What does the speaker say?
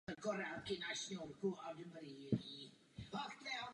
Asi jeden kilometr východně od Starého rybníka pramení řeka Bílina.